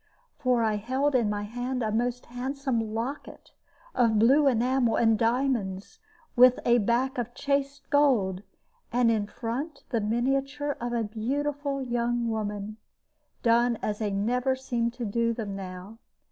For I held in my hand a most handsome locket, of blue enamel and diamonds, with a back of chased gold, and in front the miniature of a beautiful young woman, done as they never seem to do them now.